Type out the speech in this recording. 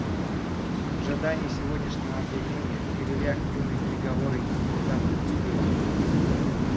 В ожидании сегодняшнего объявления мы вели активные переговоры и консультации с регионом.